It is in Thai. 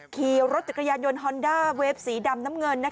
ขี่รถจักรยานยนต์ฮอนด้าเวฟสีดำน้ำเงิน